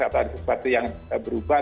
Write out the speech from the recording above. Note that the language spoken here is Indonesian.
atau ada sesuatu yang berubah